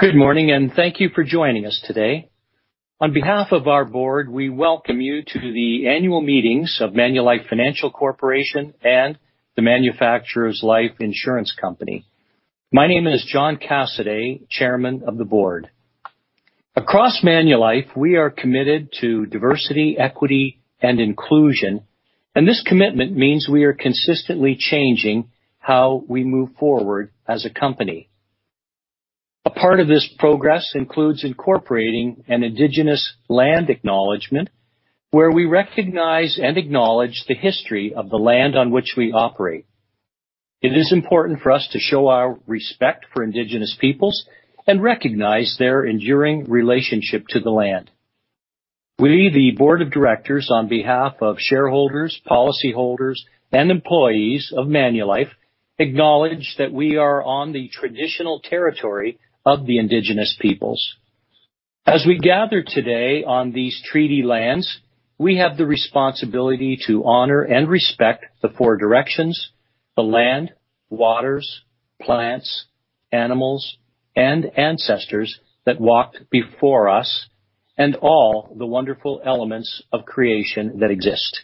Good morning, and thank you for joining us today. On behalf of our board, we welcome you to the Annual Meetings of Manulife Financial Corporation and the Manufacturers Life Insurance Company. My name is John Cassaday, Chairman of the Board. Across Manulife, we are committed to diversity, equity, and inclusion, and this commitment means we are consistently changing how we move forward as a company. A part of this progress includes incorporating an Indigenous land acknowledgment, where we recognize and acknowledge the history of the land on which we operate. It is important for us to show our respect for Indigenous peoples and recognize their enduring relationship to the land. We, the Board of Directors, on behalf of shareholders, policyholders, and employees of Manulife, acknowledge that we are on the traditional territory of the Indigenous peoples. As we gather today on these treaty lands, we have the responsibility to honor and respect the Four Directions, the land, waters, plants, animals, and ancestors that walked before us, and all the wonderful elements of creation that exist.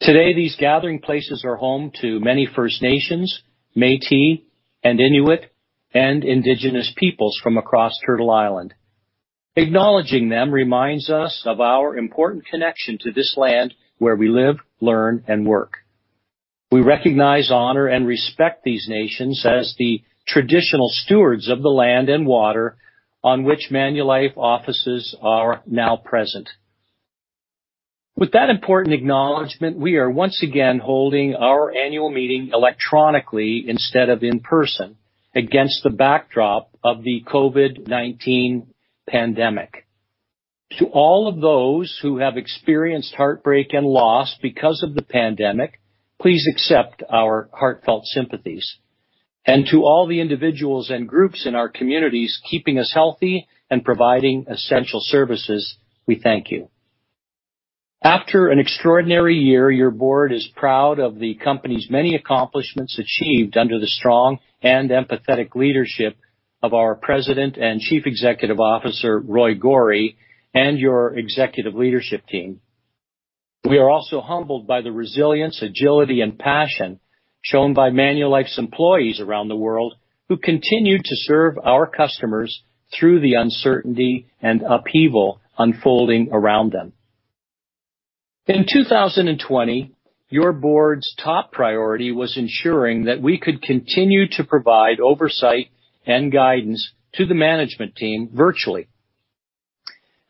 Today, these gathering places are home to many First Nations, Métis, and Inuit, and Indigenous peoples from across Turtle Island. Acknowledging them reminds us of our important connection to this land where we live, learn, and work. We recognize, honor, and respect these nations as the traditional stewards of the land and water on which Manulife offices are now present. With that important acknowledgment, we are once again holding our annual meeting electronically instead of in person, against the backdrop of the COVID-19 pandemic. To all of those who have experienced heartbreak and loss because of the pandemic, please accept our heartfelt sympathies. To all the individuals and groups in our communities keeping us healthy and providing essential services, we thank you. After an extraordinary year, your board is proud of the company's many accomplishments achieved under the strong and empathetic leadership of our President and Chief Executive Officer, Roy Gori, and your executive leadership team. We are also humbled by the resilience, agility, and passion shown by Manulife's employees around the world who continue to serve our customers through the uncertainty and upheaval unfolding around them. In 2020, your board's top priority was ensuring that we could continue to provide oversight and guidance to the management team virtually.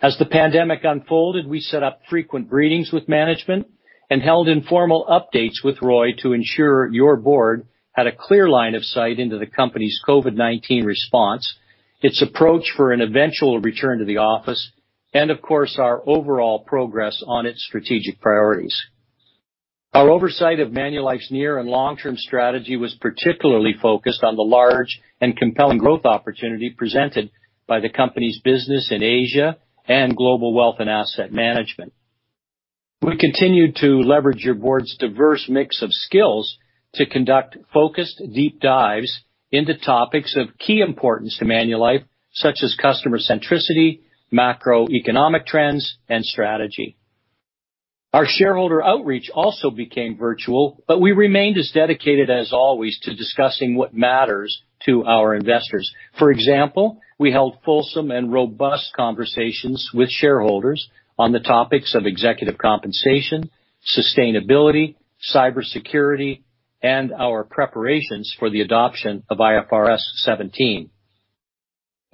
As the pandemic unfolded, we set up frequent greetings with management and held informal updates with Roy to ensure your board had a clear line of sight into the company's COVID-19 response, its approach for an eventual return to the office, and, of course, our overall progress on its strategic priorities. Our oversight of Manulife's near and long-term strategy was particularly focused on the large and compelling growth opportunity presented by the company's business in Asia and global wealth and asset management. We continue to leverage your board's diverse mix of skills to conduct focused, deep dives into topics of key importance to Manulife, such as customer centricity, macroeconomic trends, and strategy. Our shareholder outreach also became virtual, but we remained as dedicated as always to discussing what matters to our investors. For example, we held fulsome and robust conversations with shareholders on the topics of executive compensation, sustainability, cybersecurity, and our preparations for the adoption of IFRS 17.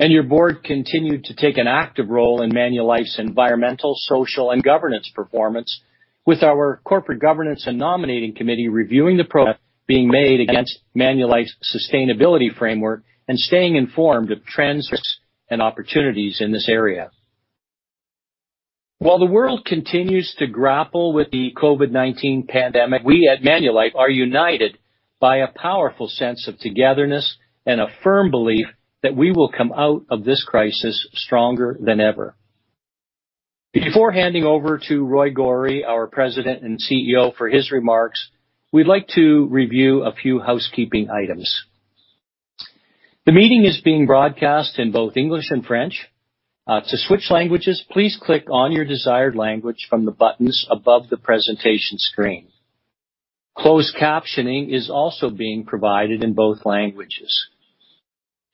Your board continued to take an active role in Manulife's environmental, social, and governance performance, with our Corporate Governance and Nominating Committee reviewing the progress being made against Manulife's sustainability framework and staying informed of trends and opportunities in this area. While the world continues to grapple with the COVID-19 pandemic, we at Manulife are united by a powerful sense of togetherness and a firm belief that we will come out of this crisis stronger than ever. Before handing over to Roy Gori, our President and CEO, for his remarks, we'd like to review a few housekeeping items. The meeting is being broadcast in both English and French. To switch languages, please click on your desired language from the buttons above the presentation screen. Closed captioning is also being provided in both languages.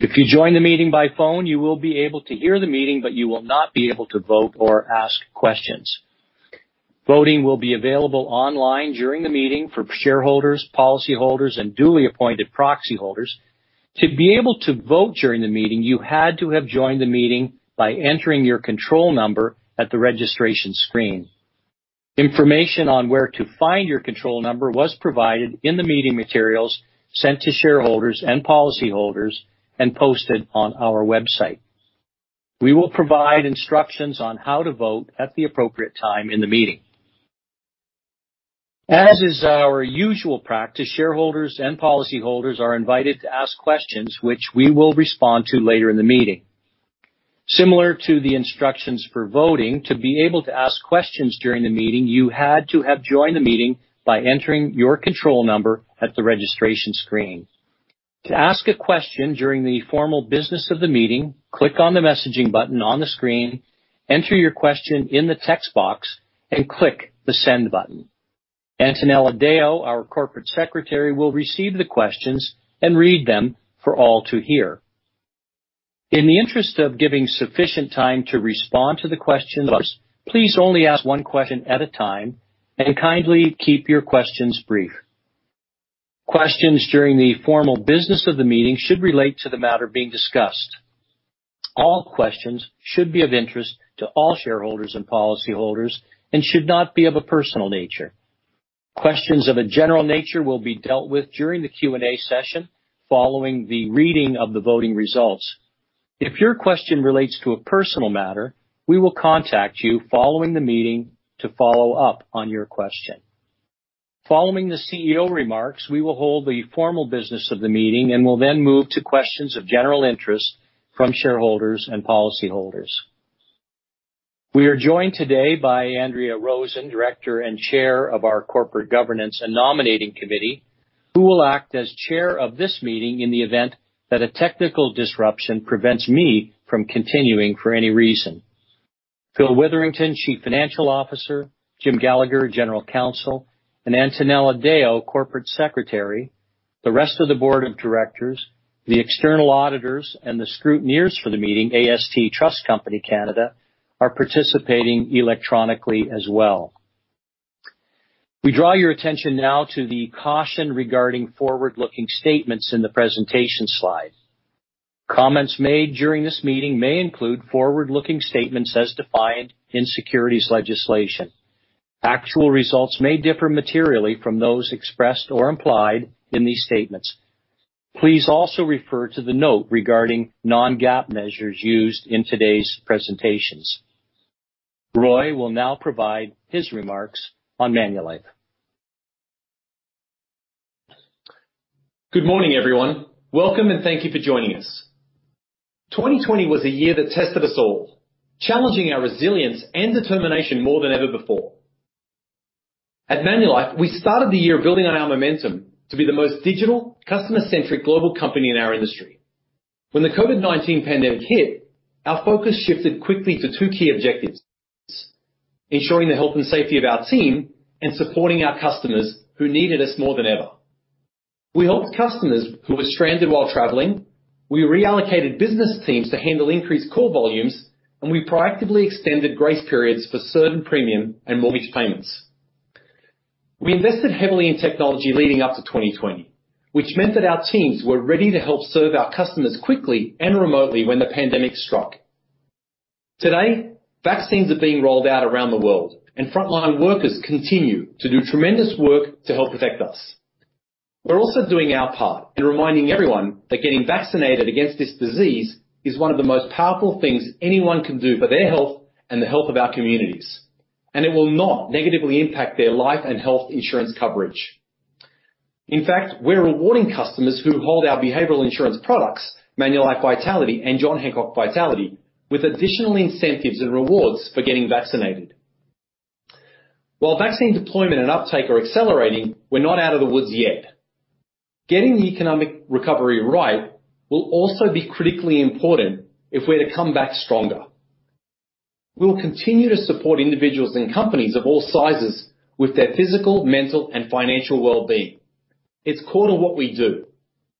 If you join the meeting by phone, you will be able to hear the meeting, but you will not be able to vote or ask questions. Voting will be available online during the meeting for shareholders, policyholders, and duly appointed proxy holders. To be able to vote during the meeting, you had to have joined the meeting by entering your control number at the registration screen. Information on where to find your control number was provided in the meeting materials sent to shareholders and policyholders and posted on our website. We will provide instructions on how to vote at the appropriate time in the meeting. As is our usual practice, shareholders and policyholders are invited to ask questions, which we will respond to later in the meeting. Similar to the instructions for voting, to be able to ask questions during the meeting, you had to have joined the meeting by entering your control number at the registration screen. To ask a question during the formal business of the meeting, click on the messaging button on the screen, enter your question in the text box, and click the send button. Antonella Deo, our Corporate Secretary, will receive the questions and read them for all to hear. In the interest of giving sufficient time to respond to the questions, please only ask one question at a time and kindly keep your questions brief. Questions during the formal business of the meeting should relate to the matter being discussed. All questions should be of interest to all shareholders and policy holders and should not be of a personal nature. Questions of a general nature will be dealt with during the Q&A session following the reading of the voting results. If your question relates to a personal matter, we will contact you following the meeting to follow up on your question. Following the CEO remarks, we will hold the formal business of the meeting and will then move to questions of general interest from shareholders and policyholders. We are joined today by Andrea Rosen, Director and Chair of our Corporate Governance and Nominating Committee, who will act as Chair of this meeting in the event that a technical disruption prevents me from continuing for any reason. Phil Witherington, Chief Financial Officer, Jim Gallagher, General Counsel, and Antonella Deo, Corporate Secretary, the rest of the Board of Directors, the external auditors, and the scrutineers for the meeting, AST Trust Company Canada, are participating electronically as well. We draw your attention now to the caution regarding forward-looking statements in the presentation slide. Comments made during this meeting may include forward-looking statements as defined in securities legislation. Actual results may differ materially from those expressed or implied in these statements. Please also refer to the note regarding non-GAAP measures used in today's presentations. Roy will now provide his remarks on Manulife. Good morning, everyone. Welcome, and thank you for joining us. 2020 was a year that tested us all, challenging our resilience and determination more than ever before. At Manulife, we started the year building on our momentum to be the most digital, customer-centric global company in our industry. When the COVID-19 pandemic hit, our focus shifted quickly to two key objectives: ensuring the health and safety of our team and supporting our customers who needed us more than ever. We helped customers who were stranded while traveling, we reallocated business teams to handle increased call volumes, and we proactively extended grace periods for certain premium and mortgage payments. We invested heavily in technology leading up to 2020, which meant that our teams were ready to help serve our customers quickly and remotely when the pandemic struck. Today, vaccines are being rolled out around the world, and frontline workers continue to do tremendous work to help protect us. We're also doing our part in reminding everyone that getting vaccinated against this disease is one of the most powerful things anyone can do for their health and the health of our communities, and it will not negatively impact their life and health insurance coverage. In fact, we're rewarding customers who hold our behavioral insurance products, Manulife Vitality and John Hancock Vitality, with additional incentives and rewards for getting vaccinated. While vaccine deployment and uptake are accelerating, we're not out of the woods yet. Getting the economic recovery right will also be critically important if we're to come back stronger. We'll continue to support individuals and companies of all sizes with their physical, mental, and financial well-being. It's core to what we do,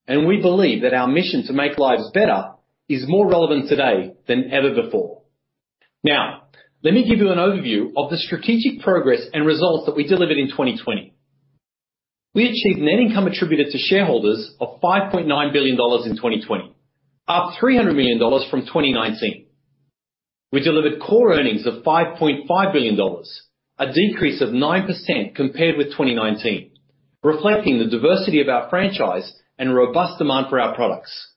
and we believe that our mission to make lives better is more relevant today than ever before. Now, let me give you an overview of the strategic progress and results that we delivered in 2020. We achieved net income attributed to shareholders of $5.9 billion in 2020, up $300 million from 2019. We delivered core earnings of $5.5 billion, a decrease of 9% compared with 2019, reflecting the diversity of our franchise and robust demand for our products.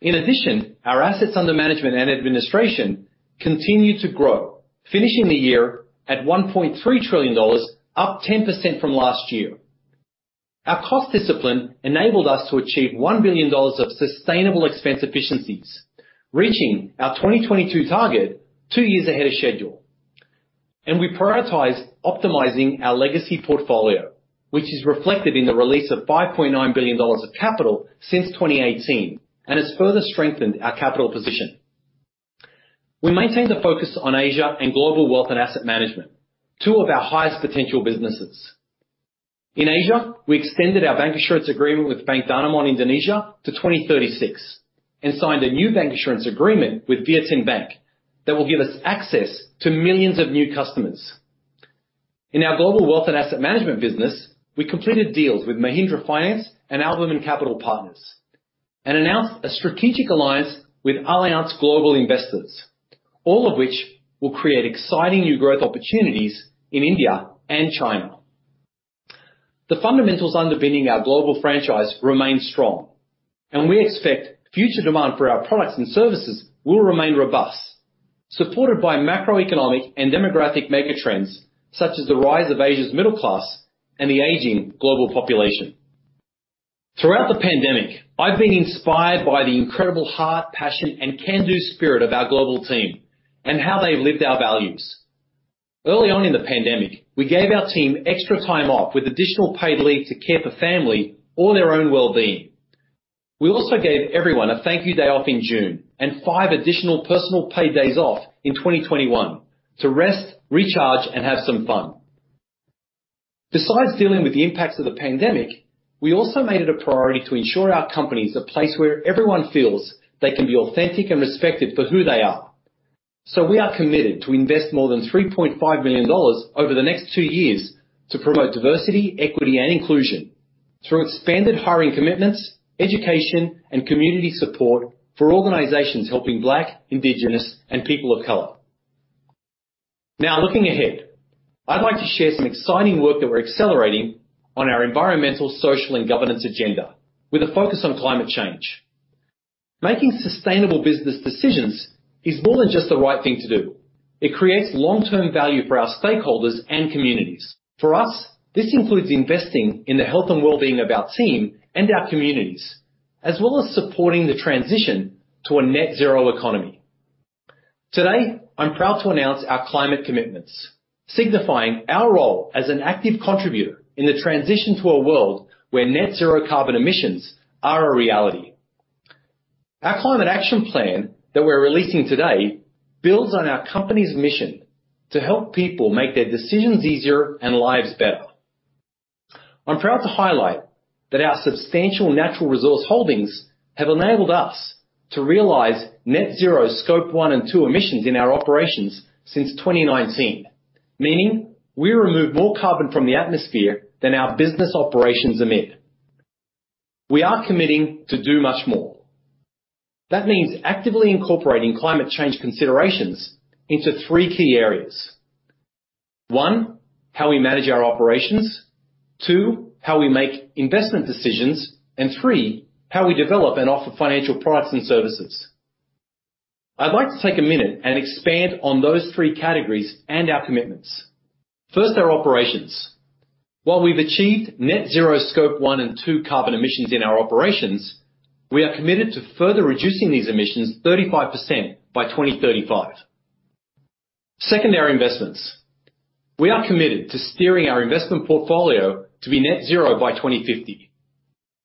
In addition, our assets under management and administration continued to grow, finishing the year at $1.3 trillion, up 10% from last year. Our cost discipline enabled us to achieve $1 billion of sustainable expense efficiencies, reaching our 2022 target two years ahead of schedule. We prioritized optimizing our legacy portfolio, which is reflected in the release of $5.9 billion of capital since 2018 and has further strengthened our capital position. We maintained the focus on Asia and global wealth and asset management, two of our highest potential businesses. In Asia, we extended our bancassurance agreement with Bank Danamon Indonesia to 2036 and signed a new bancassurance agreement with VietinBank that will give us access to millions of new customers. In our global wealth and asset management business, we completed deals with Mahindra Finance and Albamen Capital Partners and announced a strategic alliance with Allianz Global Investors, all of which will create exciting new growth opportunities in India and China. The fundamentals underpinning our global franchise remain strong, and we expect future demand for our products and services will remain robust, supported by macroeconomic and demographic megatrends such as the rise of Asia's middle class and the aging global population. Throughout the pandemic, I've been inspired by the incredible heart, passion, and can-do spirit of our global team and how they've lived our values. Early on in the pandemic, we gave our team extra time off with additional paid leave to care for family or their own well-being. We also gave everyone a thank-you day off in June and five additional personal paid days off in 2021 to rest, recharge, and have some fun. Besides dealing with the impacts of the pandemic, we also made it a priority to ensure our company is a place where everyone feels they can be authentic and respected for who they are. We are committed to invest more than $3.5 million over the next two years to promote diversity, equity, and inclusion through expanded hiring commitments, education, and community support for organizations helping Black, Indigenous, and people of color. Now, looking ahead, I'd like to share some exciting work that we're accelerating on our environmental, social, and governance agenda with a focus on climate change. Making sustainable business decisions is more than just the right thing to do. It creates long-term value for our stakeholders and communities. For us, this includes investing in the health and well-being of our team and our communities, as well as supporting the transition to a net-zero economy. Today, I'm proud to announce our climate commitments, signifying our role as an active contributor in the transition to a world where net-zero carbon emissions are a reality. Our climate action plan that we're releasing today builds on our company's mission to help people make their decisions easier and lives better. I'm proud to highlight that our substantial natural resource holdings have enabled us to realize net-zero Scope 1 and 2 emissions in our operations since 2019, meaning we remove more carbon from the atmosphere than our business operations emit. We are committing to do much more. That means actively incorporating climate change considerations into three key areas: one, how we manage our operations; two, how we make investment decisions; and three, how we develop and offer financial products and services. I'd like to take a minute and expand on those three categories and our commitments. First, our operations. While we've achieved net-zero Scope 1 and 2 carbon emissions in our operations, we are committed to further reducing these emissions 35% by 2035. Second, our investments. We are committed to steering our investment portfolio to be net-zero by 2050.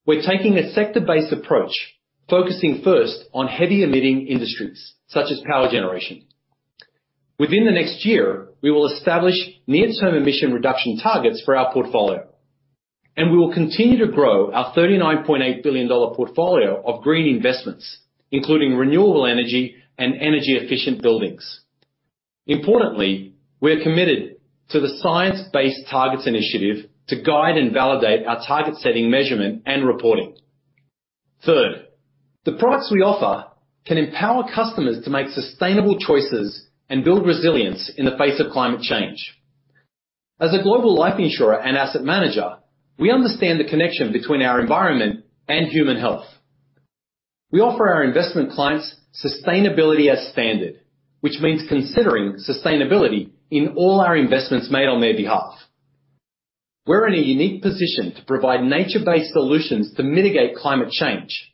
We're taking a sector-based approach, focusing first on heavy-emitting industries such as power generation. Within the next year, we will establish near-term emission reduction targets for our portfolio, and we will continue to grow our $39.8 billion portfolio of green investments, including renewable energy and energy-efficient buildings. Importantly, we're committed to the Science Based Targets initiative to guide and validate our target-setting measurement and reporting. Third, the products we offer can empower customers to make sustainable choices and build resilience in the face of climate change. As a global life insurer and asset manager, we understand the connection between our environment and human health. We offer our investment clients sustainability as standard, which means considering sustainability in all our investments made on their behalf. We're in a unique position to provide nature-based solutions to mitigate climate change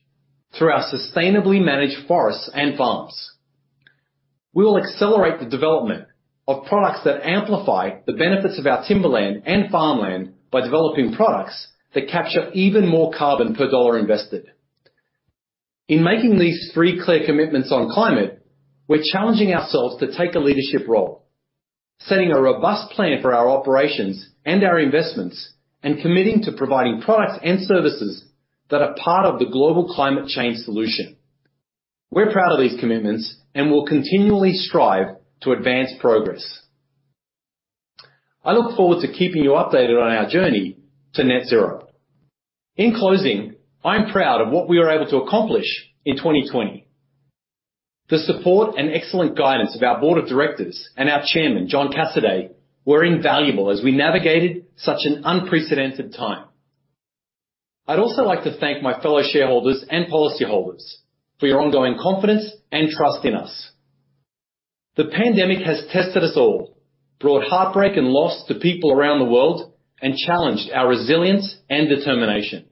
through our sustainably managed forests and farms. We will accelerate the development of products that amplify the benefits of our timberland and farmland by developing products that capture even more carbon per dollar invested. In making these three clear commitments on climate, we're challenging ourselves to take a leadership role, setting a robust plan for our operations and our investments, and committing to providing products and services that are part of the global climate change solution. We're proud of these commitments and will continually strive to advance progress. I look forward to keeping you updated on our journey to net-zero. In closing, I'm proud of what we were able to accomplish in 2020. The support and excellent guidance of our Board of Directors and our Chairman, John Cassaday, were invaluable as we navigated such an unprecedented time. I'd also like to thank my fellow shareholders and policyholders for your ongoing confidence and trust in us. The pandemic has tested us all, brought heartbreak and loss to people around the world, and challenged our resilience and determination.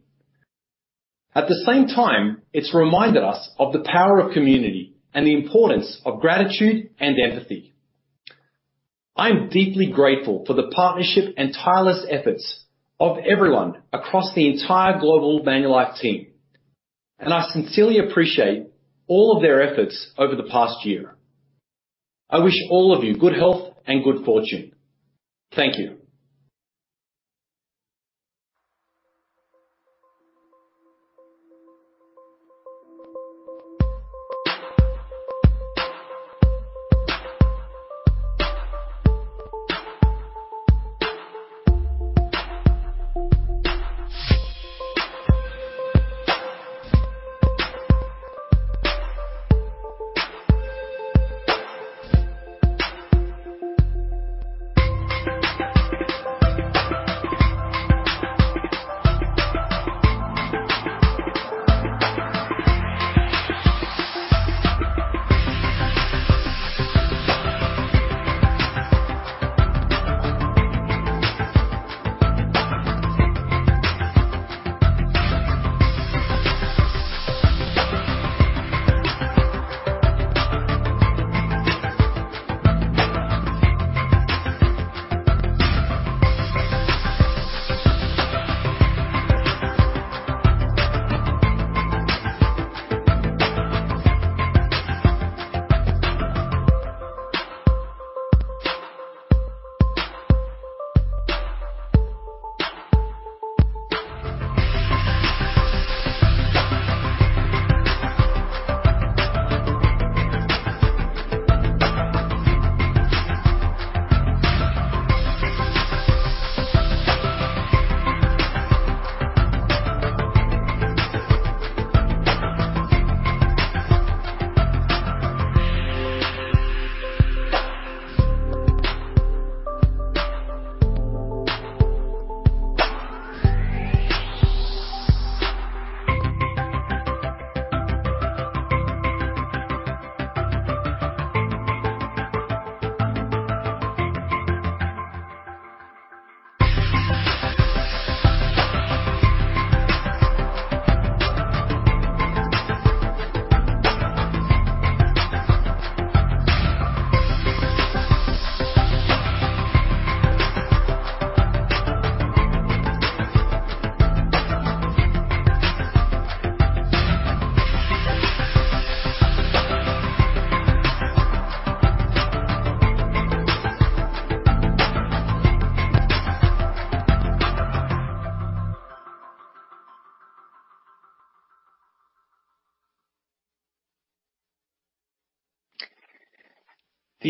At the same time, it's reminded us of the power of community and the importance of gratitude and empathy. I'm deeply grateful for the partnership and tireless efforts of everyone across the entire global Manulife team, and I sincerely appreciate all of their efforts over the past year. I wish all of you good health and good fortune. Thank you.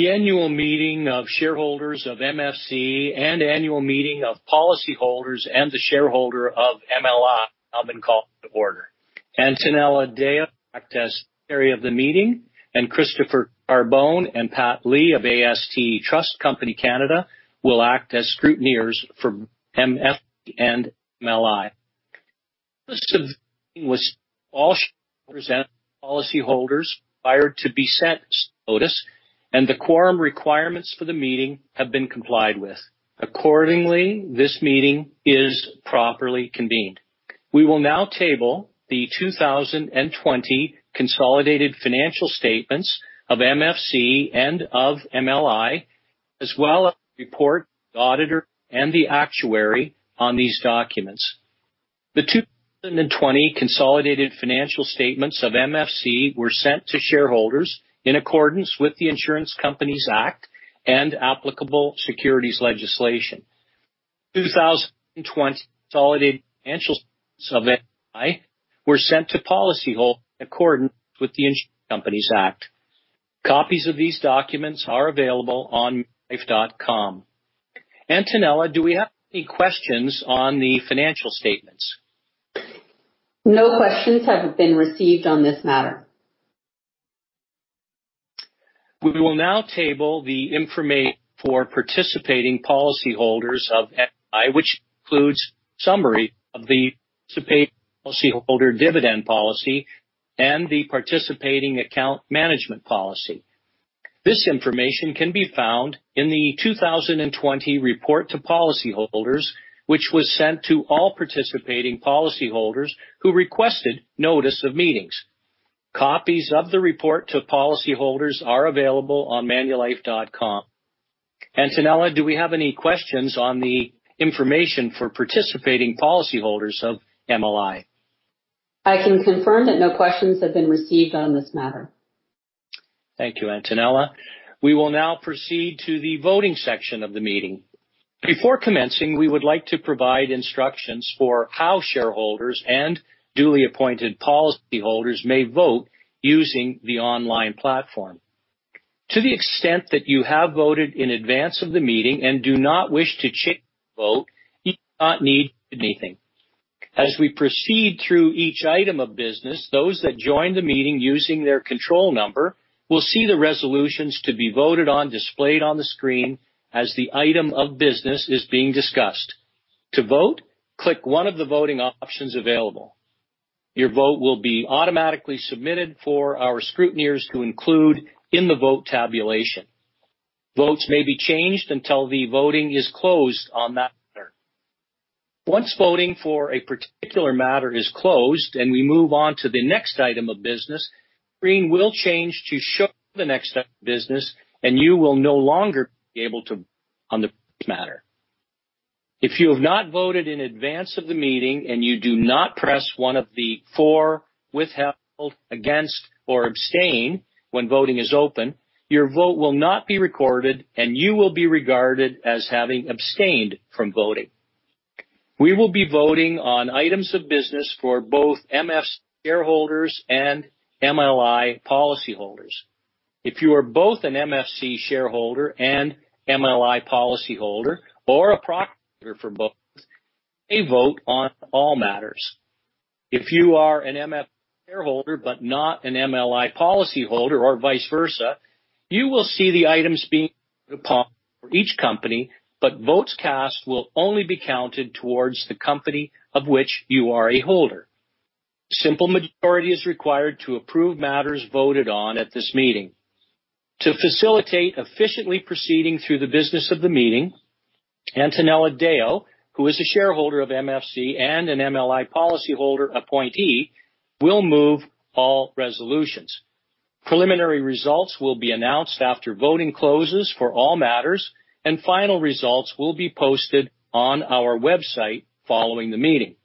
The annual meeting of shareholders of MFC and annual meeting of policyholders and the shareholder of MLI have been called to order. Antonella Deo will act as chair of the meeting, and Christopher Carbone and Pat Lee of AST Trust Company Canada will act as scrutineers for MFC and MLI. This meeting was all shareholders and policyholders prior to [meeting's] notice, and the quorum requirements for the meeting have been complied with. Accordingly, this meeting is properly convened. We will now table the 2020 consolidated financial statements of MFC and of MLI, as well as report the auditor and the actuary on these documents. The 2020 consolidated financial statements of MFC were sent to shareholders in accordance with the Insurance Companies Act and applicable securities legislation. The 2020 consolidated financial statements of MLI were sent to policyholders in accordance with the Insurance Companies Act. Copies of these documents are available on manulife.com. Antonella, do we have any questions on the financial statements? No questions have been received on this matter. We will now table the information for participating policyholders of MLI, which includes a summary of the Participating Policyholder Dividend Policy and the Participating Account Management Policy. This information can be found in the 2020 report to policyholders, which was sent to all participating policyholders who requested notice of meetings. Copies of the report to policyholders are available on manulife.com. Antonella, do we have any questions on the information for participating policyholders of MLI? I can confirm that no questions have been received on this matter. Thank you, Antonella. We will now proceed to the voting section of the meeting. Before commencing, we would like to provide instructions for how shareholders and duly appointed policyholders may vote using the online platform. To the extent that you have voted in advance of the meeting and do not wish to change your vote, you do not need to do anything. As we proceed through each item of business, those that joined the meeting using their control number will see the resolutions to be voted on displayed on the screen as the item of business is being discussed. To vote, click one of the voting options available. Your vote will be automatically submitted for our scrutineers to include in the vote tabulation. Votes may be changed until the voting is closed on that matter. Once voting for a particular matter is closed and we move on to the next item of business, the screen will change to show the next item of business, and you will no longer be able to vote on the previous matter. If you have not voted in advance of the meeting and you do not press one of the four, withheld, against, or abstain when voting is open, your vote will not be recorded, and you will be regarded as having abstained from voting. We will be voting on items of business for both MFC shareholders and MLI policyholders. If you are both an MFC shareholder and MLI policyholder or a proxy holder for both, you may vote on all matters. If you are an MFC shareholder but not an MLI policyholder or vice versa, you will see the items being voted upon for each company, but votes cast will only be counted towards the company of which you are a holder. A simple majority is required to approve matters voted on at this meeting. To facilitate efficiently proceeding through the business of the meeting, Antonella Deo, who is a shareholder of MFC and an MLI policyholder appointee, will move all resolutions. Preliminary results will be announced after voting closes for all matters, and final results will be posted on our website following the meeting.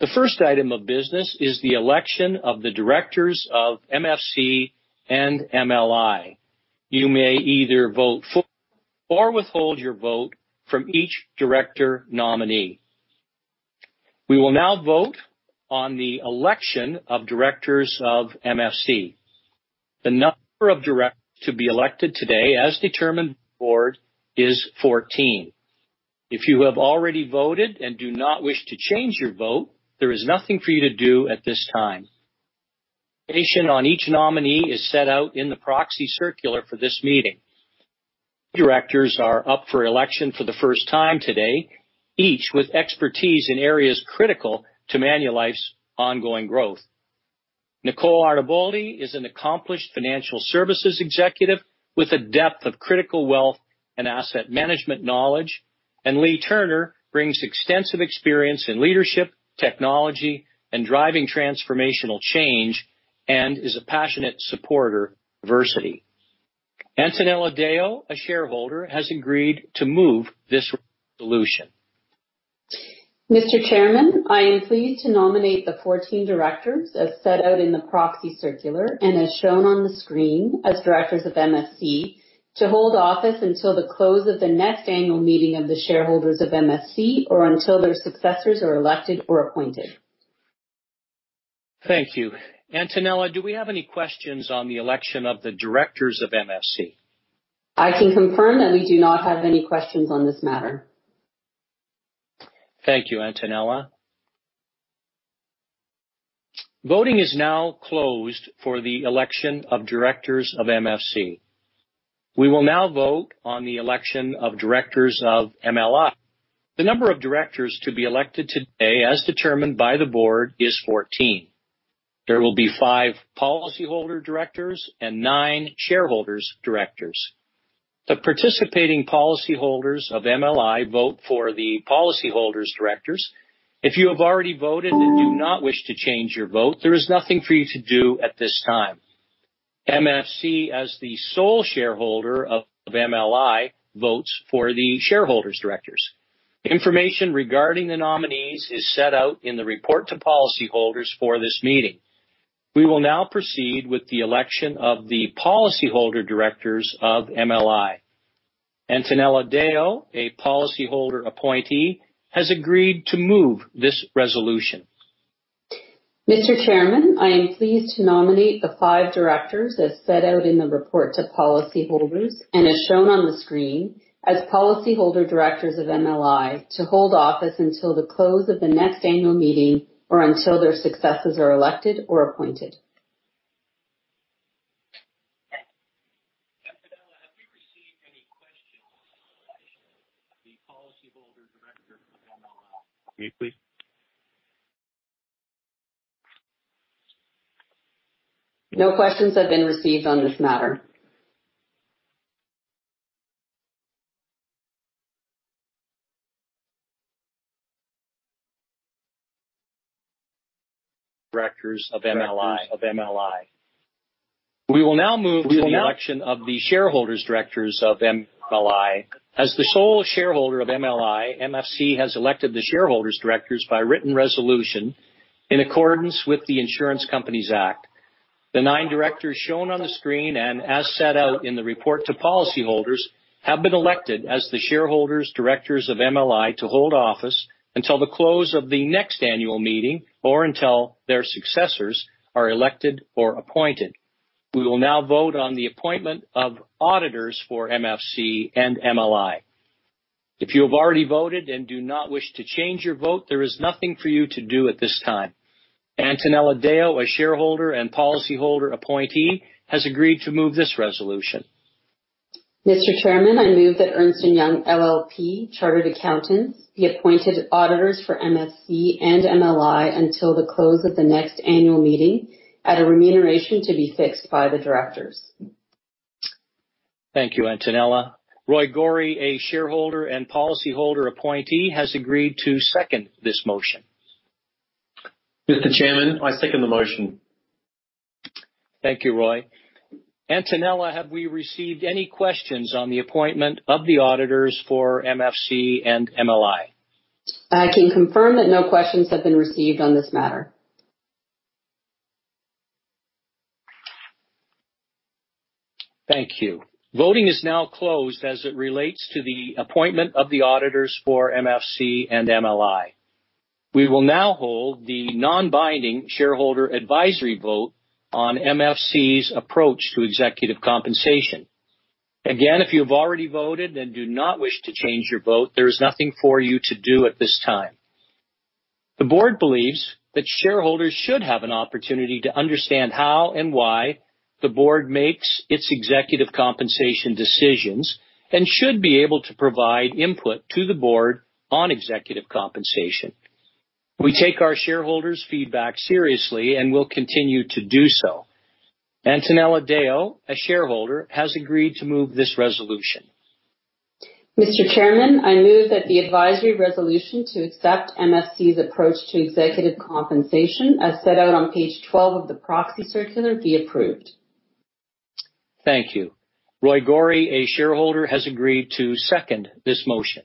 The first item of business is the election of the directors of MFC and MLI. You may either vote for or withhold your vote from each director nominee. We will now vote on the election of directors of MFC. The number of directors to be elected today, as determined by the board, is 14. If you have already voted and do not wish to change your vote, there is nothing for you to do at this time. Information on each nominee is set out in the proxy circular for this meeting. The directors are up for election for the first time today, each with expertise in areas critical to Manulife's ongoing growth. Nicole Arnaboldi is an accomplished financial services executive with a depth of critical wealth and asset management knowledge, and Leagh Turner brings extensive experience in leadership, technology, and driving transformational change, and is a passionate supporter of diversity. Antonella Deo, a shareholder, has agreed to move this resolution. Mr. Chairman, I am pleased to nominate the 14 directors, as set out in the proxy circular and as shown on the screen, as directors of MFC to hold office until the close of the next annual meeting of the shareholders of MFC or until their successors are elected or appointed. Thank you. Antonella, do we have any questions on the election of the directors of MFC? I can confirm that we do not have any questions on this matter. Thank you, Antonella. Voting is now closed for the election of directors of MFC. We will now vote on the election of directors of MLI. The number of directors to be elected today, as determined by the board, is 14. There will be five policyholder directors and nine shareholders' directors. The participating policyholders of MLI vote for the policyholders' directors. If you have already voted and do not wish to change your vote, there is nothing for you to do at this time. MFC, as the sole shareholder of MLI, votes for the shareholders' directors. Information regarding the nominees is set out in the report to policyholders for this meeting. We will now proceed with the election of the policyholder directors of MLI. Antonella Deo, a policyholder appointee, has agreed to move this resolution. Mr. Chairman, I am pleased to nominate the five directors, as set out in the report to policyholders and as shown on the screen, as policyholder directors of MLI to hold office until the close of the next annual meeting or until their successors are elected or appointed. Have we received any questions on the election of the policyholder directors of MLI? No questions have been received on this matter. Directors of MLI. We will now move to the election of the shareholders' directors of MLI. As the sole shareholder of MLI, MFC has elected the shareholders' directors by written resolution in accordance with the Insurance Companies Act. The nine directors shown on the screen and as set out in the report to policyholders have been elected as the shareholders' directors of MLI to hold office until the close of the next annual meeting or until their successors are elected or appointed. We will now vote on the appointment of auditors for MFC and MLI. If you have already voted and do not wish to change your vote, there is nothing for you to do at this time. Antonella Deo, a shareholder and policyholder appointee, has agreed to move this resolution. Mr. Chairman, I move that Ernst & Young LLP Chartered Accountants be appointed auditors for MFC and MLI until the close of the next annual meeting at a remuneration to be fixed by the directors. Thank you, Antonella. Roy Gori, a shareholder and policyholder appointee, has agreed to second this motion. Mr. Chairman, I second the motion. Thank you, Roy. Antonella, have we received any questions on the appointment of the auditors for MFC and MLI? I can confirm that no questions have been received on this matter. Thank you. Voting is now closed as it relates to the appointment of the auditors for MFC and MLI. We will now hold the non-binding shareholder advisory vote on MFC's approach to executive compensation. Again, if you have already voted and do not wish to change your vote, there is nothing for you to do at this time. The board believes that shareholders should have an opportunity to understand how and why the board makes its executive compensation decisions and should be able to provide input to the board on executive compensation. We take our shareholders' feedback seriously and will continue to do so. Antonella Deo, a shareholder, has agreed to move this resolution. Mr. Chairman, I move that the advisory resolution to accept MFC's approach to executive compensation, as set out on page 12 of the proxy circular, be approved. Thank you. Roy Gori, a shareholder, has agreed to second this motion.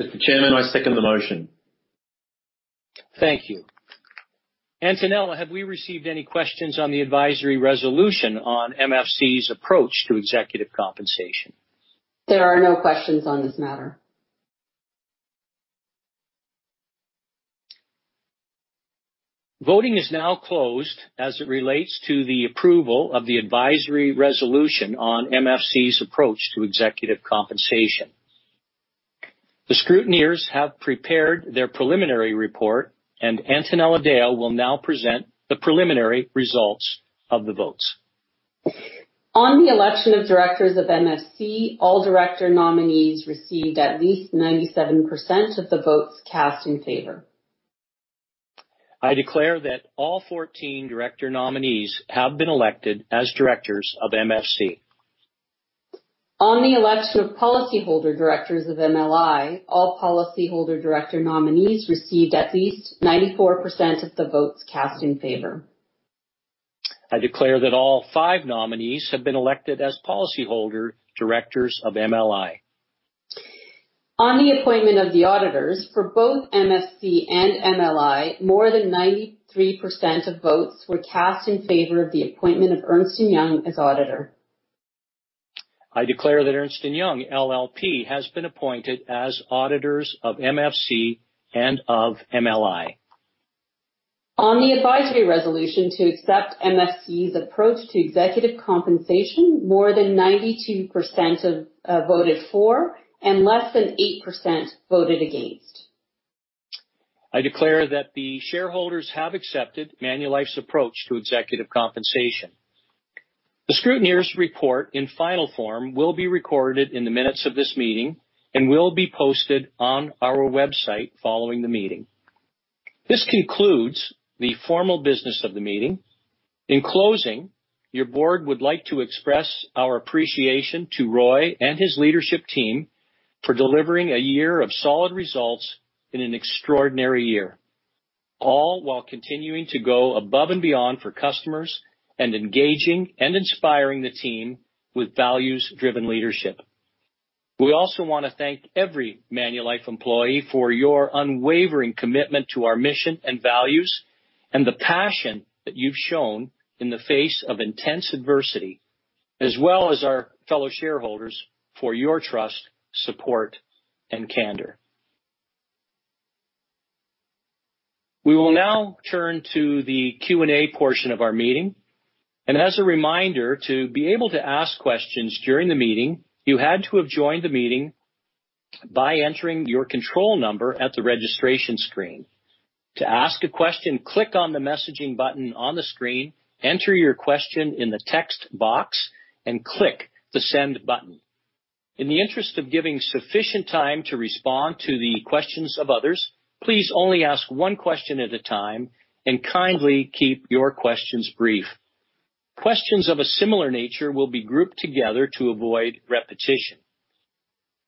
Mr. Chairman, I second the motion. Thank you. Antonella, have we received any questions on the advisory resolution on MFC's approach to executive compensation? There are no questions on this matter. Voting is now closed as it relates to the approval of the advisory resolution on MFC's approach to executive compensation. The scrutineers have prepared their preliminary report, and Antonella Deo will now present the preliminary results of the votes. On the election of directors of MFC, all director nominees received at least 97% of the votes cast in favor. I declare that all 14 director nominees have been elected as directors of MFC. On the election of policyholder directors of MLI, all policyholder director nominees received at least 94% of the votes cast in favor. I declare that all five nominees have been elected as policyholder directors of MLI. On the appointment of the auditors, for both MFC and MLI, more than 93% of votes were cast in favor of the appointment of Ernst & Young as auditor. I declare that Ernst & Young LLP has been appointed as auditors of MFC and of MLI. On the advisory resolution to accept MFC's approach to executive compensation, more than 92% voted for and less than 8% voted against. I declare that the shareholders have accepted Manulife's approach to executive compensation. The scrutineers' report in final form will be recorded in the minutes of this meeting and will be posted on our website following the meeting. This concludes the formal business of the meeting. In closing, your board would like to express our appreciation to Roy and his leadership team for delivering a year of solid results in an extraordinary year, all while continuing to go above and beyond for customers and engaging and inspiring the team with values-driven leadership. We also want to thank every Manulife employee for your unwavering commitment to our mission and values and the passion that you've shown in the face of intense adversity, as well as our fellow shareholders for your trust, support, and candor. We will now turn to the Q&A portion of our meeting. As a reminder, to be able to ask questions during the meeting, you had to have joined the meeting by entering your control number at the registration screen. To ask a question, click on the messaging button on the screen, enter your question in the text box, and click the send button. In the interest of giving sufficient time to respond to the questions of others, please only ask one question at a time and kindly keep your questions brief. Questions of a similar nature will be grouped together to avoid repetition.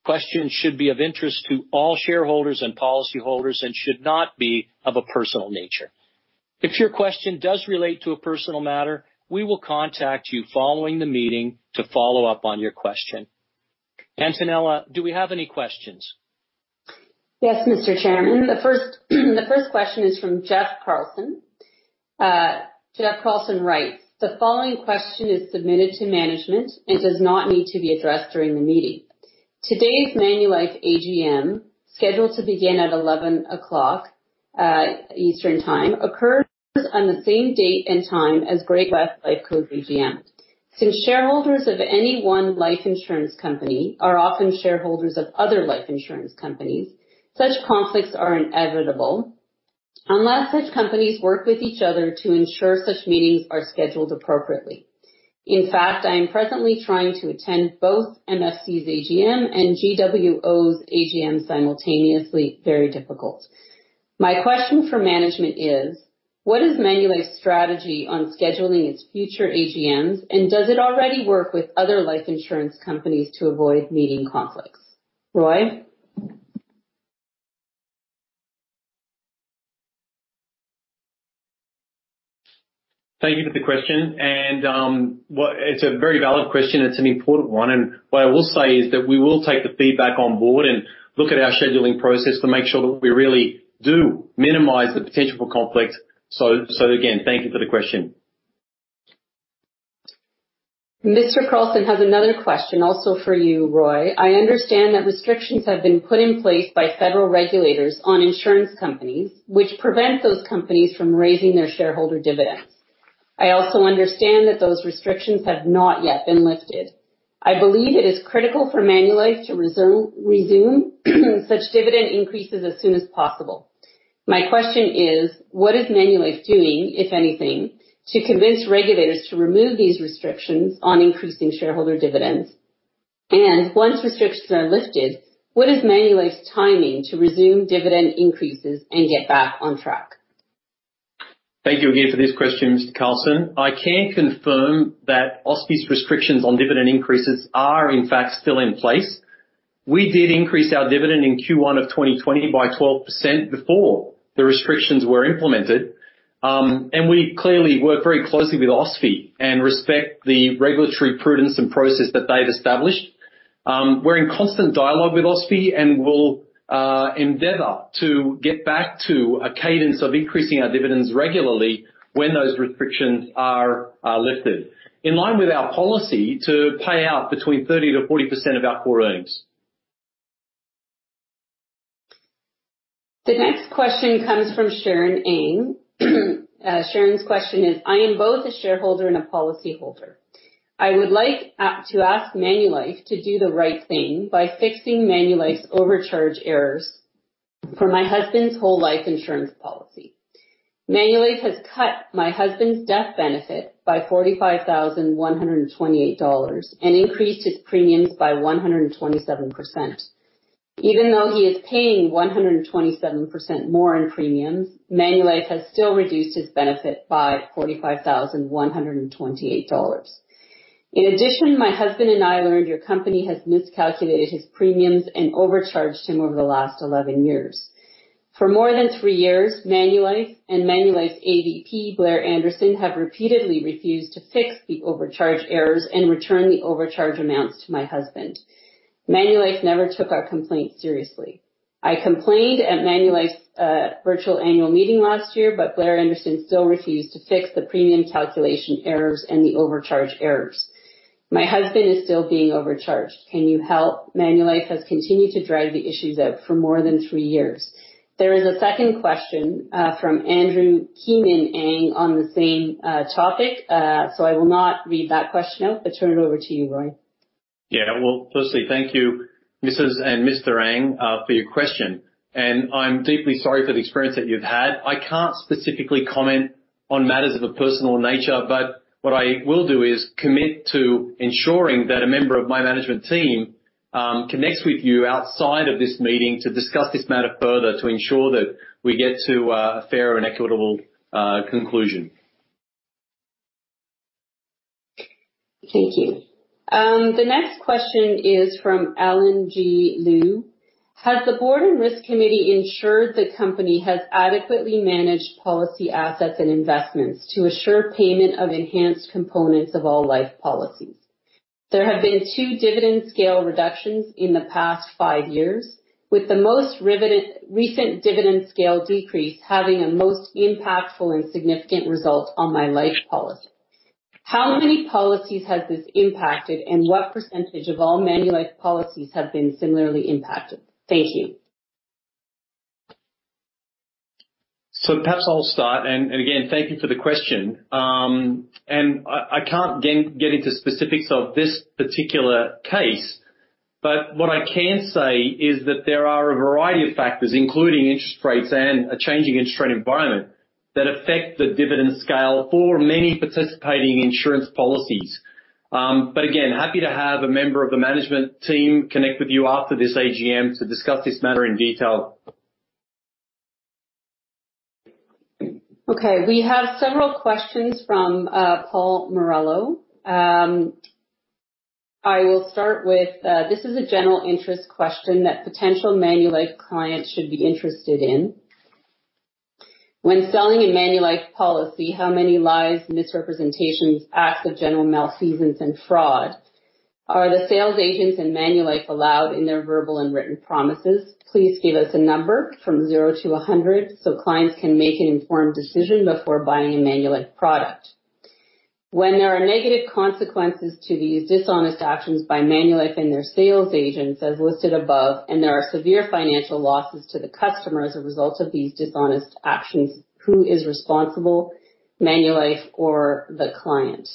Questions should be of interest to all shareholders and policyholders and should not be of a personal nature. If your question does relate to a personal matter, we will contact you following the meeting to follow up on your question. Antonella, do we have any questions? Yes, Mr. Chairman. The first question is from Jeff Carlson. Jeff Carlson writes, "The following question is submitted to management and does not need to be addressed during the meeting. Today's Manulife AGM, scheduled to begin at 11:00 A.M. Eastern Time, occurs on the same date and time as Great-West Lifeco AGM. Since shareholders of any one life insurance company are often shareholders of other life insurance companies, such conflicts are inevitable unless such companies work with each other to ensure such meetings are scheduled appropriately. In fact, I am presently trying to attend both MFC's AGM and GWO's AGM simultaneously. Very difficult. My question for management is, what is Manulife's strategy on scheduling its future AGMs, and does it already work with other life insurance companies to avoid meeting conflicts? Roy? Thank you for the question. It is a very valid question. It is an important one. What I will say is that we will take the feedback on board and look at our scheduling process to make sure that we really do minimize the potential for conflict. Thank you for the question. Mr. Carlson has another question also for you, Roy. "I understand that restrictions have been put in place by federal regulators on insurance companies, which prevent those companies from raising their shareholder dividends. I also understand that those restrictions have not yet been lifted. I believe it is critical for Manulife to resume such dividend increases as soon as possible. My question is, what is Manulife doing, if anything, to convince regulators to remove these restrictions on increasing shareholder dividends? Once restrictions are lifted, what is Manulife's timing to resume dividend increases and get back on track?" Thank you again for this question, Mr. Carlson. I can confirm that OSFI's restrictions on dividend increases are, in fact, still in place. We did increase our dividend in Q1 of 2020 by 12% before the restrictions were implemented. We clearly work very closely with OSFI and respect the regulatory prudence and process that they've established. We're in constant dialogue with OSFI and will endeavor to get back to a cadence of increasing our dividends regularly when those restrictions are lifted, in line with our policy to pay out between 30%-40% of our core earnings. The next question comes from Sharon Ng. Sharon's question is, "I am both a shareholder and a policyholder. I would like to ask Manulife to do the right thing by fixing Manulife's overcharge errors for my husband's whole life insurance policy. Manulife has cut my husband's death benefit by $45,128 and increased his premiums by 127%. Even though he is paying 127% more in premiums, Manulife has still reduced his benefit by $45,128. In addition, my husband and I learned your company has miscalculated his premiums and overcharged him over the last 11 years. For more than three years, Manulife and Manulife's AVP, Blair Anderson, have repeatedly refused to fix the overcharge errors and return the overcharge amounts to my husband. Manulife never took our complaints seriously. I complained at Manulife's virtual annual meeting last year, but Blair Anderson still refused to fix the premium calculation errors and the overcharge errors. My husband is still being overcharged. Can you help? Manulife has continued to drag the issues out for more than three years. There is a second question from Andrew Keenan Ng on the same topic, so I will not read that question out, but turn it over to you, Roy. Yeah. Firstly, thank you, Mrs. and Mr. Ng, for your question. I'm deeply sorry for the experience that you've had. I can't specifically comment on matters of a personal nature, but what I will do is commit to ensuring that a member of my management team connects with you outside of this meeting to discuss this matter further to ensure that we get to a fair and equitable conclusion. Thank you. The next question is from Alan G. Liu. "Has the board and risk committee ensured the company has adequately managed policy assets and investments to assure payment of enhanced components of all life policies? There have been two dividend scale reductions in the past five years, with the most recent dividend scale decrease having a most impactful and significant result on my life policy. How many policies has this impacted, and what percentage of all Manulife policies have been similarly impacted? Thank you." Perhaps I'll start. Again, thank you for the question. I can't get into specifics of this particular case, but what I can say is that there are a variety of factors, including interest rates and a changing interest rate environment, that affect the dividend scale for many participating insurance policies. Again, happy to have a member of the management team connect with you after this AGM to discuss this matter in detail. Okay. We have several questions from Paul Morello. I will start with, this is a general interest question that potential Manulife clients should be interested in. "When selling a Manulife policy, how many lies, misrepresentations, acts of general malfeasance, and fraud are the sales agents and Manulife allowed in their verbal and written promises? Please give us a number from zero to 100 so clients can make an informed decision before buying a Manulife product. When there are negative consequences to these dishonest actions by Manulife and their sales agents, as listed above, and there are severe financial losses to the customer as a result of these dishonest actions, who is responsible, Manulife or the client?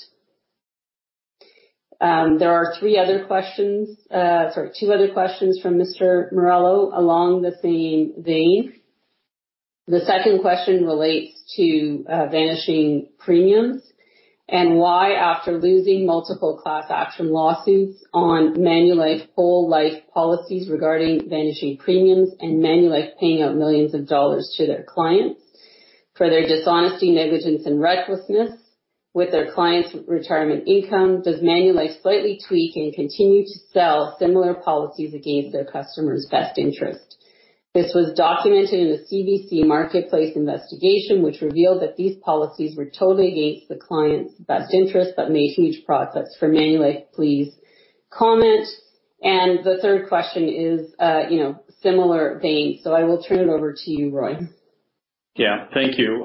There are three other questions, sorry, two other questions from Mr. Morello along the same vein. The second question relates to vanishing premiums and why, after losing multiple class action lawsuits on Manulife whole life policies regarding vanishing premiums and Manulife paying out millions of dollars to their clients for their dishonesty, negligence, and recklessness with their clients' retirement income, does Manulife slightly tweak and continue to sell similar policies against their customer's best interest? This was documented in a CBC Marketplace Investigation, which revealed that these policies were totally against the client's best interest but made huge profits. For Manulife, please comment. The third question is similar vein. I will turn it over to you, Roy. Yeah. Thank you.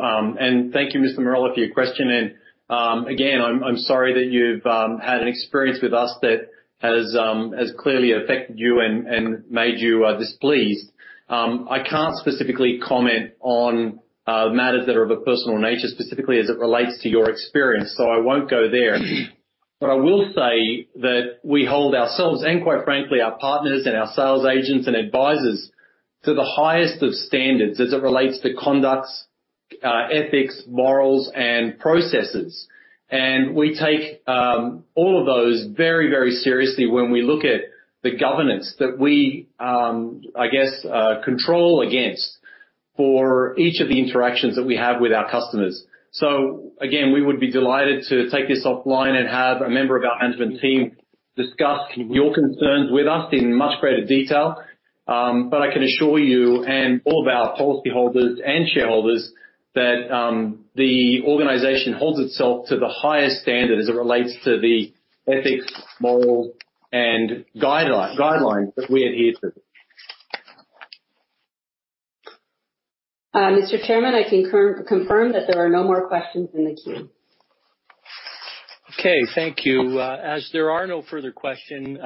Thank you, Mr. Morello, for your question. Again, I'm sorry that you've had an experience with us that has clearly affected you and made you displeased. I can't specifically comment on matters that are of a personal nature, specifically as it relates to your experience, so I won't go there. I will say that we hold ourselves, and quite frankly, our partners and our sales agents and advisors to the highest of standards as it relates to conduct, ethics, morals, and processes. We take all of those very, very seriously when we look at the governance that we, I guess, control against for each of the interactions that we have with our customers. We would be delighted to take this offline and have a member of our management team discuss your concerns with us in much greater detail. I can assure you and all of our policyholders and shareholders that the organization holds itself to the highest standard as it relates to the ethics, morals, and guidelines that we adhere to. Mr. Chairman, I can confirm that there are no more questions in the queue. Thank you. As there are no further questions,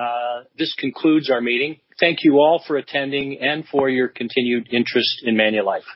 this concludes our meeting. Thank you all for attending and for your continued interest in Manulife.